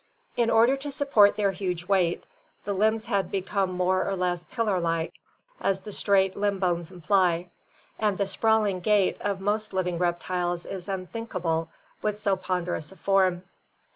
In order to support their huge weight, the limbs had become more or less pillar like, as the straight limb bones imply, and the sprawling gait of most living reptiles is unthinkable with so ponderous a form.